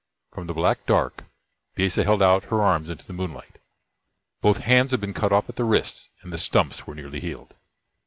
From the black dark, Bisesa held out her arms into the moonlight. Both hands had been cut off at the wrists, and the stumps were nearly healed.